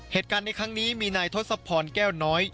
เหตุการณ์ในครั้งนี้มีไหนทดสะพอนแก้วน้อย